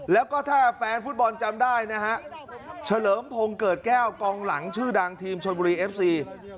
แล้วก็ถ้าแฟนฟุตบอลจำได้นะฮะเฉลิมพงศ์เกิดแก้วกองหลังชื่อดังทีมชนบุรีเอฟซี